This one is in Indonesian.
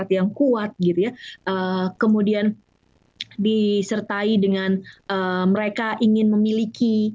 yang kuat gitu ya kemudian disertai dengan mereka ingin memiliki